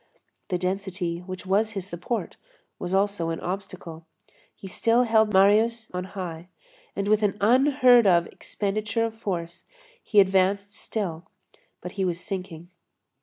The density, which was his support, was also an obstacle. He still held Marius on high, and with an unheard of expenditure of force, he advanced still; but he was sinking.